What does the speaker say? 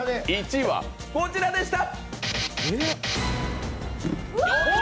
１位はこちらでした。